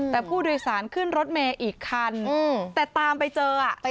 แต่ผู้โดยสารขึ้นรถเมย์อีกคันแต่ตามไปเจออ่ะ